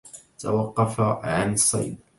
توقف عن الصيد.